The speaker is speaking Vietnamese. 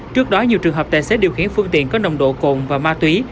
trước đó nhiều trường hợp tài xế điều khiển phương tiện có nồng độ cồn và ma túy